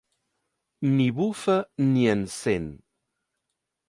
Ni bufa ni encén.